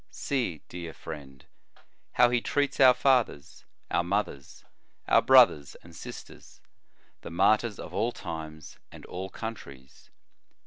See, dear friend, how he treats our fathers, our mothers, our brothers, and sisters, the martyrs of all times and all countries.